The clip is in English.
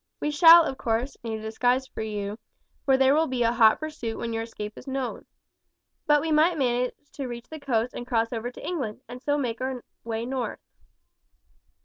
We shall, of course, need a disguise for you, for there will be a hot pursuit when your escape is known. But we might manage to reach the coast and cross over to England, and so make our way north."